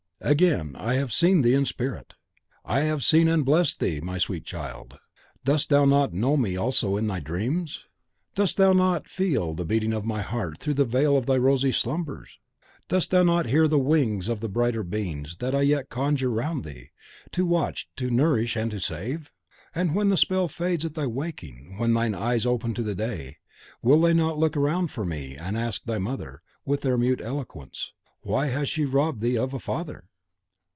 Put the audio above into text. .... Again I have seen thee in spirit; I have seen and blessed thee, my sweet child! Dost thou not know me also in thy dreams? Dost thou not feel the beating of my heart through the veil of thy rosy slumbers? Dost thou not hear the wings of the brighter beings that I yet can conjure around thee, to watch, to nourish, and to save? And when the spell fades at thy waking, when thine eyes open to the day, will they not look round for me, and ask thy mother, with their mute eloquence, "Why she has robbed thee of a father?"